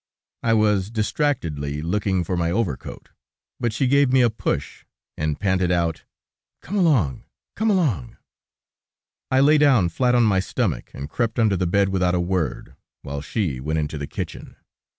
I was distractedly looking for my overcoat, but she gave me a push, and panted out: "Come along, come along." I lay down flat on my stomach, and crept under the bed without a word, while she went into the kitchen.